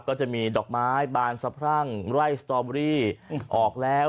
ก็จะมีดอกไม้บานสะพรั่งไล่สตอเบอรี่ออกแล้ว